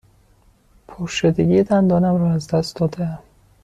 پرشدگی دندانم را از دست داده ام.